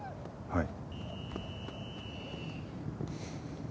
はい。